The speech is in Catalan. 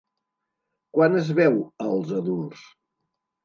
Quan es veu als adults?